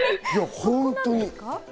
本当に。